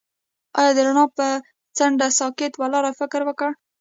هغه د رڼا پر څنډه ساکت ولاړ او فکر وکړ.